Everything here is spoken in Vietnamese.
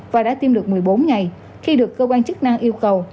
và đã tiêm được một mươi bốn ngày khi được cơ quan chức năng yêu cầu